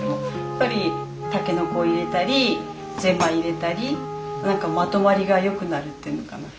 やっぱりタケノコ入れたりゼンマイ入れたり何かまとまりが良くなるっていうのかな。